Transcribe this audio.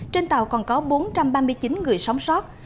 trên tàu còn có bốn trăm ba mươi chín người sống sót